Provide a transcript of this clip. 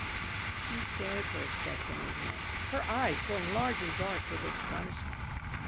She stared for a second at him, her eyes growing large and dark with astonishment.